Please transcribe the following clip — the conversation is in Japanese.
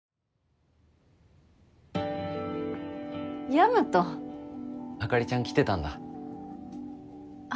大和あかりちゃん来てたんだは